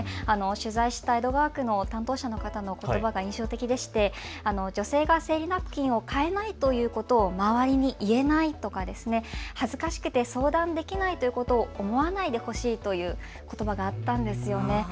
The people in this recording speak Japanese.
取材した江戸川区の担当者の方のことばが印象的でして、女性が生理ナプキンを買えないということを周りに言えないですとか、恥ずかしくて相談できないということを思わないでほしいということばがあったんです。